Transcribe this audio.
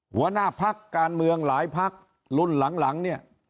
หัวหน้าพักการเมืองหลายพักรุ่นหลังเนี่ย